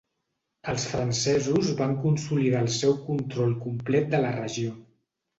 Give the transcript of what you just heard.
Els francesos van consolidar el seu control complet de la regió.